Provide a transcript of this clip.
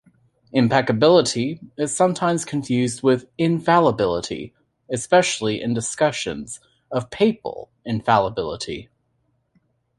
Impeccability is sometimes confused with infallibility, especially in discussions of papal infallibility.